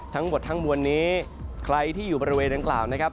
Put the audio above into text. ทั้งหมดทั้งมวลนี้ใครที่อยู่บริเวณดังกล่าวนะครับ